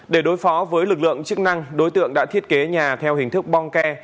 để đối phó với lực lượng chức năng đối tượng đã thiết kế nhà theo hình thức bong ke